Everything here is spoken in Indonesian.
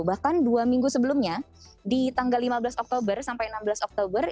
bahkan dua minggu sebelumnya di tanggal lima belas oktober sampai enam belas oktober